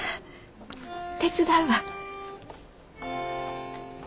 手伝うわ。